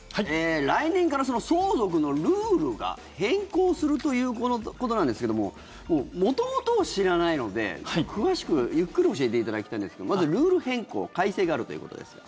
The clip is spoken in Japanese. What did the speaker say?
来年から相続のルールが変更するということなんですけど元々を知らないので詳しく、ゆっくり教えていただきたいんですけどまずルール変更、改正があるということですが。